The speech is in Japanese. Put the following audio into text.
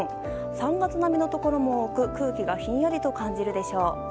３月並みのところも多く空気がひんやりと感じるでしょう。